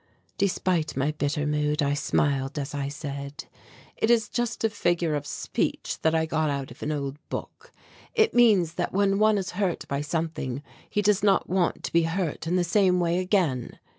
Despite my bitter mood I smiled as I said: "It is just a figure of speech that I got out of an old book. It means that when one is hurt by something he does not want to be hurt in the same way again.